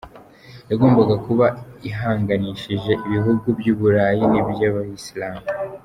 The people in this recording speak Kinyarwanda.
yagombaga kuba ihanganishije ibihugu by’Uburayi n’iby’abayisilamu.